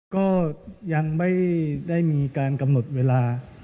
ก็ยังไม่ได้มีการกำหนดเวลา